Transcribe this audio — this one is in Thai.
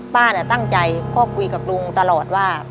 ป้าน่ะตั้งใจคุยกับลุงตลอดว่า